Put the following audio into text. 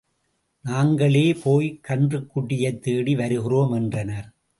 நாங்களே போய்க் கன்றுக்குட்டியைத் தேடி வருகிறோம் என்றனர்.